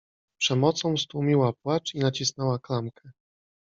Przemocą stłumiła płacz i nacisnęła klamkę.